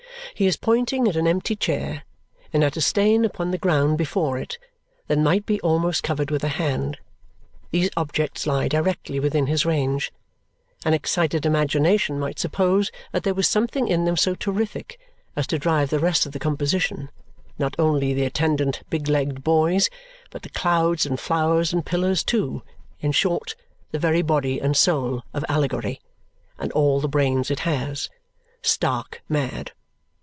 He is pointing at an empty chair and at a stain upon the ground before it that might be almost covered with a hand. These objects lie directly within his range. An excited imagination might suppose that there was something in them so terrific as to drive the rest of the composition, not only the attendant big legged boys, but the clouds and flowers and pillars too in short, the very body and soul of Allegory, and all the brains it has stark mad.